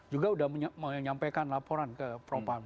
juga sudah menyampaikan laporan ke propam